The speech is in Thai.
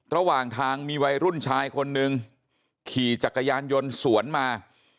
ระหว่างทางมีวัยรุ่นชายคนนึงขี่จักรยานยนต์สวนมา